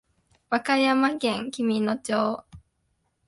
和歌山県紀美野町